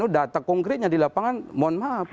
data konkretnya di lapangan mohon maaf